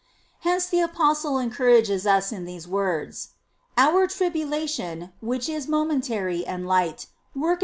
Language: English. Hence the apostle encourages us in these words: "Our tribu lation, which is momentary and light, worketh for * 2, 6.